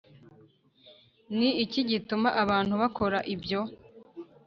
ni iki gituma abantu bakora ibyo